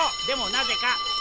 でもなぜか？